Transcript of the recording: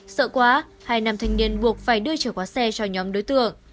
sợ quá hai nam thanh niên buộc phải đưa chìa khóa xe cho nhóm đối tượng